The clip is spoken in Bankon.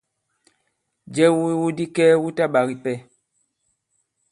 Jɛ wu iwu di kɛɛ wu ta ɓak ipɛ.